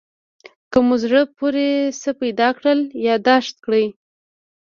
که مو زړه پورې څه پیدا کړل یادداشت کړئ.